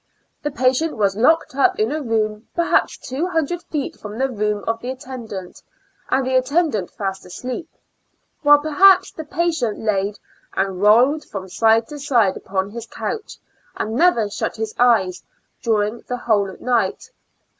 The patient was locked up in a room perhaps two hundred feet from the room of the at tendant, and the attendant fast asleep, while, perhaps, the patient laid and rolled from side to side upon his couch, and never shut his eyes during the whole night.